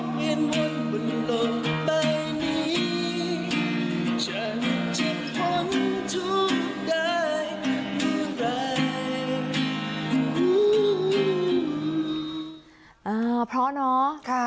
พร้อมเนาะ